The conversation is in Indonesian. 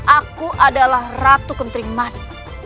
aku adalah ratu kentering manik